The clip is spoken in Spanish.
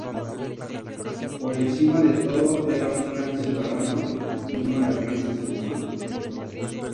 Por encima de todo era un gran ciudadano y un maravilloso ser humano.